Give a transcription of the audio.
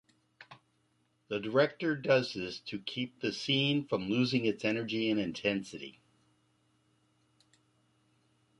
The director does this to keep the scene from losing its energy and intensity.